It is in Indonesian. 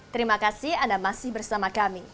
terima kasih anda masih bersama kami